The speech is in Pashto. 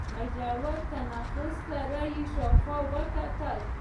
له ژور تنفس سره يې شاوخوا وکتل.